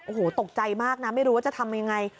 โอ้โหตกใจมากนะไม่รู้ว่าจะทำยังไง